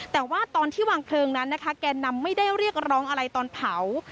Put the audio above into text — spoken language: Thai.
แต่ว่าตอนที่วางเพลิงนั้นนะคะแกนนำไม่ได้เรียกร้องอะไรตอนเผา